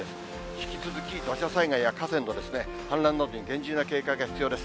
引き続き土砂災害や河川の氾濫などに厳重な警戒が必要です。